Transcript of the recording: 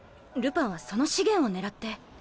ルパンはその資源を狙って？